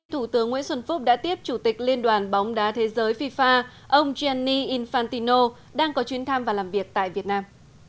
thủ tướng nguyễn xuân phúc đã tiếp chủ tịch liên đoàn bóng đá thế giới fifa ông jenni infantino đang có chuyến thăm và làm việc tại việt nam